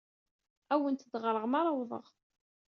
Ad awent-d-ɣreɣ mi ara awḍeɣ.